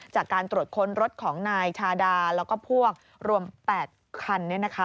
จากการตรวจค้นรถของนายชาดาแล้วก็พวกรวม๘คัน